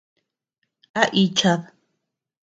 ¿A ichad?